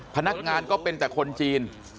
พนักงานก็เป็นแต่คนจีน